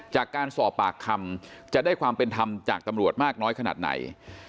จากการสอบปากคำจะได้ความเป็นธรรมจากตำรวจมากน้อยขนาดไหน